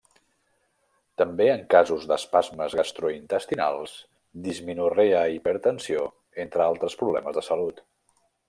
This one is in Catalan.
També en casos d'espasmes gastrointestinals, dismenorrea i hipertensió entre altres problemes de la salut.